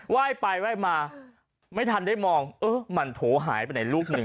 ยไปไหว้มาไม่ทันได้มองเออมันโถหายไปไหนลูกหนึ่ง